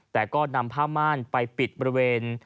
แต่ก็นำผ้าม่านไปปิดบริเวณ